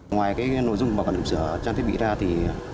ngoài cái nội dung bảo quản kiểm sửa trang thiết bị ra thì